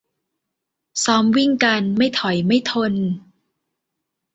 ซ้อมวิ่งกัน ไม่ถอยไม่ทน